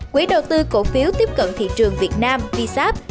quỹ đầu tư cổ phiếu tiếp cận thị trường việt nam visap